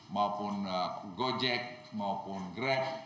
maupun gojek maupun grab